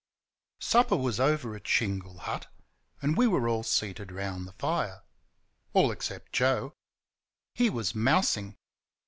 Supper was over at Shingle Hut, and we were all seated round the fire all except Joe. He was mousing.